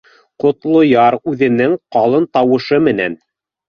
Ҡотлояр үҙенең ҡалын тауышы менән: